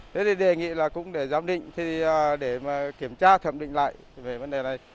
thế thì đề nghị là cũng để giám định để kiểm tra thẩm định lại về vấn đề này